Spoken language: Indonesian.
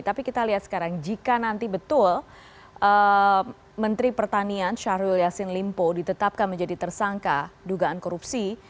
tapi kita lihat sekarang jika nanti betul menteri pertanian syahrul yassin limpo ditetapkan menjadi tersangka dugaan korupsi